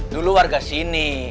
dulu warga sini